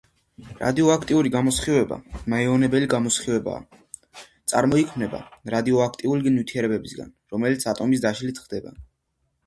რადიოაქტიური გამოსხივება მაიონებელი გამოსხივებაა, წარმოიქმნება რადიოაქტიური ნივთიერებებისგან, რომელიც ატომის დაშლით ხდება.